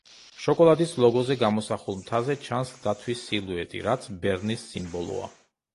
შოკოლადის ლოგოზე გამოსახულ მთაზე ჩანს დათვის სილუეტი, რაც ბერნის სიმბოლოა.